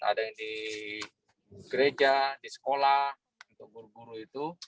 ada yang di gereja di sekolah untuk guru guru itu